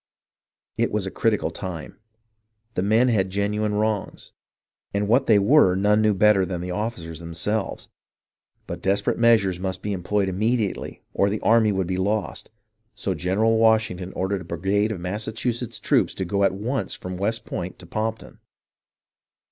It was a critical time. The men had genuine wrongs, and what they were none knew better than the officers themselves ; but desperate measures must be employed immediately or the army would be lost, so General Washington ordered a brigade of Massachusetts troops to go at once from West Point to Pompton.